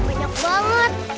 iya banyak banget